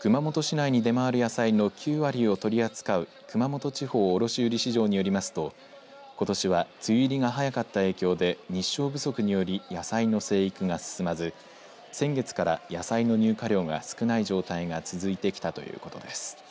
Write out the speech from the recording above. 熊本市内に出回る野菜の９割を取り扱う熊本地方卸売市場によりますとことしは梅雨入りが早かった影響で日照不足により野菜の生育が進まず先月から野菜の入荷量が少ない状態が続いてきたということです。